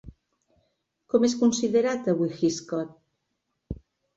Com és considerat avui Hitchcock?